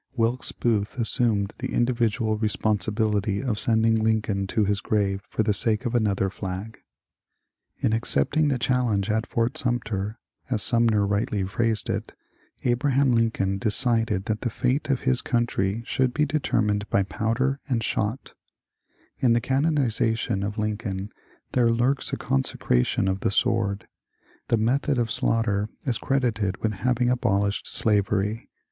Wilkes Booth assumed the individual responsibility of sending Lincoln to his grave for the sake of another flag. ^ In accepting the challenge at Fort Sumter,'* as Sum ner rightly phrased it, Abraham Lincoln decided that the fate of his country should be determined by powder and shot In the canonization of Lincoln there lurks a consecration of the sword. The method of slaughter is credited with having abolished slavery.